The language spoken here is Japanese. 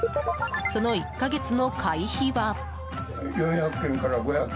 その１か月の会費は。